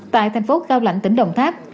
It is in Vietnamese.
tại thành phố cao lạnh tỉnh đồng tháp